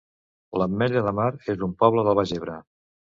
L'Ametlla de Mar es un poble del Baix Ebre